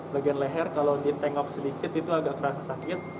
bagian leher kalau ditengok sedikit itu agak terasa sakit